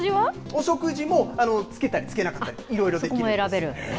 お食事もつけたりつけなかったり、いろいろできるんです。